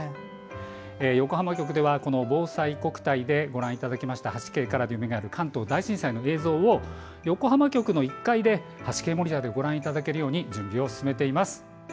横浜局では「ぼうさいこくたい」でご覧いただきました「８Ｋカラーでよみがえる関東大震災」の映像を横浜局の１階で８Ｋモニターでご覧いただけるように準備を進めています。